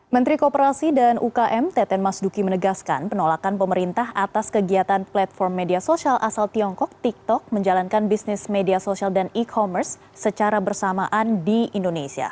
menteri kooperasi dan ukm teten mas duki menegaskan penolakan pemerintah atas kegiatan platform media sosial asal tiongkok tiktok menjalankan bisnis media sosial dan e commerce secara bersamaan di indonesia